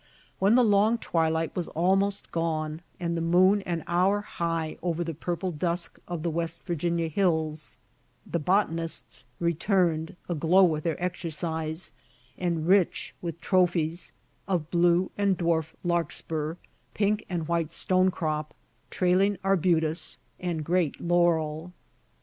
When the long twilight was almost gone, and the moon an hour high over the purple dusk of the West Virginia hills, the botanists returned, aglow with their exercise, and rich with trophies of blue and dwarf larkspur, pink and white stone crop, trailing arbutus, and great laurel.